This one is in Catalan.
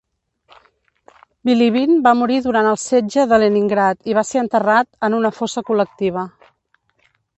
Bilibin va morir durant el setge de Leningrad i va ser enterrat en una fossa col·lectiva.